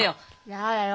やだよ。